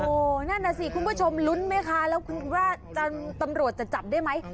โอ้โหนั่นน่ะสิคุณผู้ชมลุ้นไหมคะแล้วคุณว่าตำรวจจะจับได้ไหม